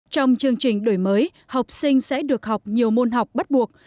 trong chương trình đổi mới học sinh sẽ được học nhiều môn học bắt buộc